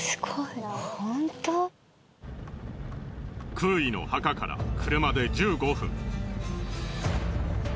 クウイの墓から車で１５分。